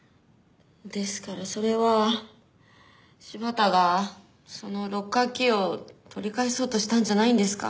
ですからそれは柴田がそのロッカーキーを取り返そうとしたんじゃないんですか？